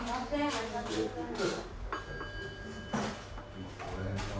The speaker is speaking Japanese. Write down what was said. ありがとうございます。